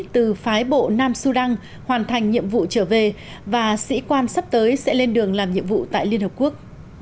từ phái bộ nam sudan hoàn thành nhiệm vụ trở về và sĩ quan sắp tới sẽ lên đường làm nhiệm vụ tại liên hợp quốc